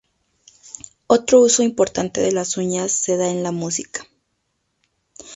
Otro uso importante de las uñas se da en la música.